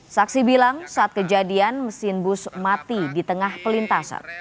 saksi bilang saat kejadian mesin bus mati di tengah pelintasan